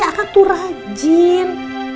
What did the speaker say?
akang tuh rajin